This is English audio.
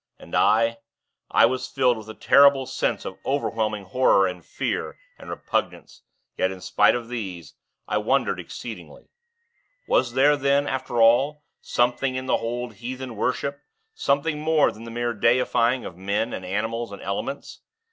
And I I was filled with a terrible sense of overwhelming horror and fear and repugnance; yet, spite of these, I wondered exceedingly. Was there then, after all, something in the old heathen worship, something more than the mere deifying of men, animals, and elements?